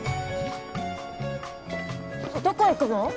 どこ行くの？